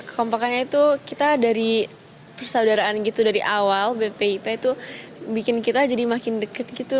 kekompakannya itu kita dari persaudaraan gitu dari awal bpip itu bikin kita jadi makin deket gitu